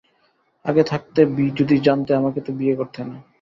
আগে থাকতে যদি জানতে আমাকে তো বিয়ে করতে না।